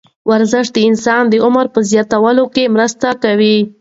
ورزش د انسان د عمر په زیاتولو کې مرسته کوي.